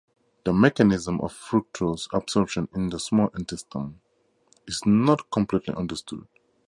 The mechanism of fructose absorption in the small intestine is not completely understood.